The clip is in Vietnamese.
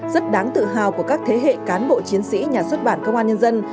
rất đáng tự hào của các thế hệ cán bộ chiến sĩ nhà xuất bản công an nhân dân